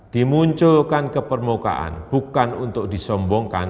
dimunculkan kepermukaan bukan untuk disombongkan